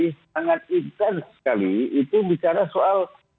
ini sangat intens sekali itu bicara soal